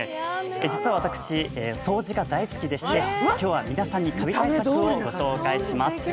実は私、掃除が大好きでして今日はカビ対策をご紹介します。